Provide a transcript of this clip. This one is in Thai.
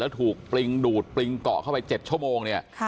ถูกปริงดูดปริงเกาะเข้าไป๗ชั่วโมงเนี่ย